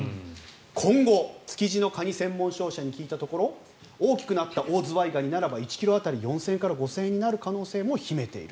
今後、築地のカニ専門商社に聞いたところ大きくなったオオズワイガニなら１ｋｇ当たり４０００円から５０００円になる可能性も秘めている。